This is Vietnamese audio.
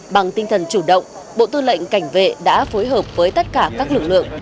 bằng tinh thần chủ động bộ tư lệnh cảnh vệ đã phối hợp với tất cả các lực lượng